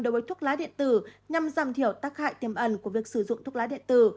đối với thuốc lá điện tử nhằm giảm thiểu tác hại tiềm ẩn của việc sử dụng thuốc lá điện tử